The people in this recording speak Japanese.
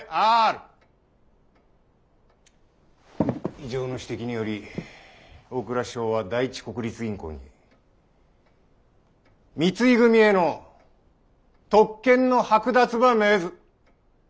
以上の指摘により大蔵省は第一国立銀行に三井組への特権の剥奪ば命ず。